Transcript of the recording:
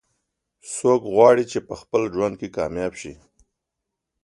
څوک غواړي چې په خپل ژوند کې کامیاب شي